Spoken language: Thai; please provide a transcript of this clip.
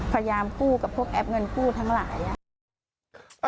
พยายามกู้กับพวกแอปเงินกู้ทั้งหลาย